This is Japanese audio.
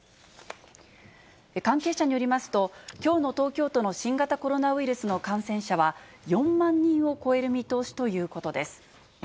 関係者によりますと、きょうの東京都の新型コロナウイルスの感染者は、４万人を超える見通しということです。